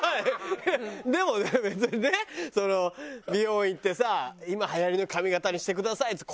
でも別にね美容院行ってさ今流行りの髪形にしてください！